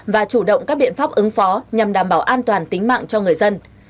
và chủ động các biện pháp ứng phó nhằm đảm bảo an toàn tính mạng cho người dân